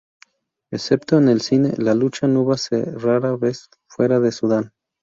Excepto en el cine, la lucha nuba se ve rara vez fuera de Sudán.